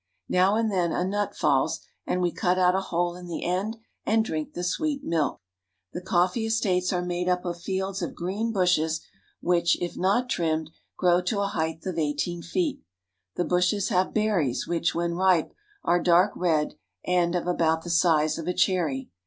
Now and then a nut falls and we cut out a hole in the end and drink the sweet milk. The coffee estates are made up of fields of green bushes which, if not trimmed, grow to a height of eighteen feet. The bushes have berries which, when ripe, are dark red and of about the size of a cherry.